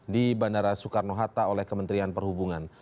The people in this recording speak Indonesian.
di bandara soekarno hatta oleh kementerian perhubungan